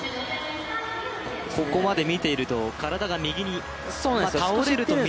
ここまで見ていると体が右に倒れるというか。